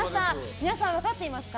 皆さん、分かっていますか？